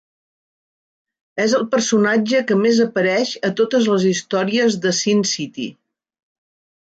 És el personatge que més apareix a totes les històries de Sin City.